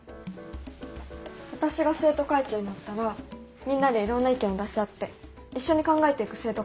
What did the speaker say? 私が生徒会長になったらみんなでいろんな意見を出し合って一緒に考えていく生徒会にしたいんです。